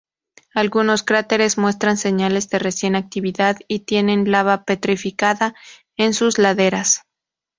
Algunos cráteres muestran señales de reciente actividad y tienen lava petrificada en sus laderas.